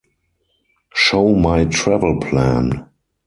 Show my travel plan